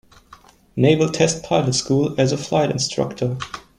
Naval Test Pilot School as a flight instructor.